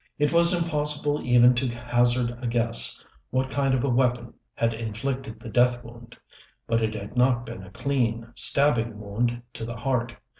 It was impossible even to hazard a guess what kind of a weapon had inflicted the death wound. But it had not been a clean, stabbing wound to the heart.